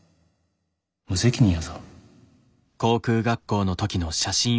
無責任やぞ。